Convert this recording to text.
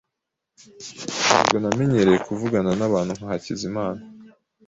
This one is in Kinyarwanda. Ntabwo namenyereye kuvugana nabantu nka Hakizimana .